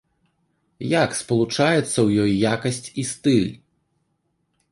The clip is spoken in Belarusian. Як спалучаецца ў ёй якасць і стыль?